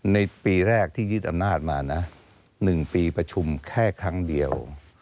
ในปีแรกที่ยึดอำนาจมานะ๑ปีประชุมแค่ครั้งเดียว